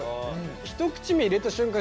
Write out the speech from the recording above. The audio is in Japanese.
１口目入れた瞬間